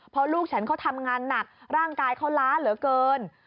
เพราะลูกฉันเขาทำงานหนักร่างกายเขาล้าเหลือเกิน